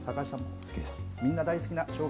好きです。